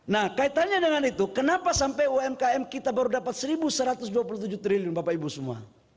nah kaitannya dengan itu kenapa sampai umkm kita baru dapat rp satu satu ratus dua puluh tujuh triliun bapak ibu semua